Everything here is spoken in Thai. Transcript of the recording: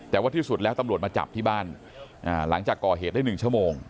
แต่ว่าที่สุดแล้วตำรวจมาจับที่บ้านหลังจากก่อเหตุได้๑ชั่วโมง